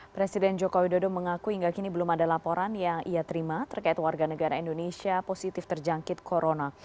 presiden jokowi dodo mengaku hingga kini belum ada laporan yang ia terima terkait warga negara indonesia positif terjangkit corona